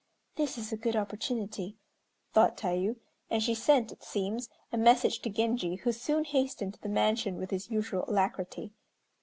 "This is a good opportunity," thought Tayû, and she sent, it seems, a message to Genji, who soon hastened to the mansion with his usual alacrity.